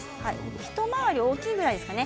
一回り大きいぐらいですかね。